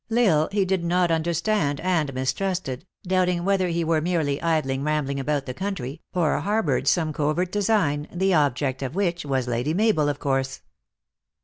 L Isle he did not understand and mistrusted, doubting whether he were merely idly rambling about the country, or harbored some covert design, the object of which was Lady Mabel, of course.